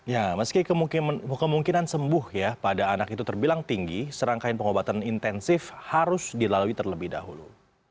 ya meski kemungkinan sembuh ya pada anak itu terbilang tinggi serangkaian pengobatan intensif harus dilalui terlebih dahulu